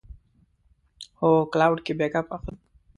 هو، کلاوډ کې بیک اپ اخلم